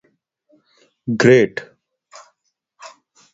Billy fails, losing his share.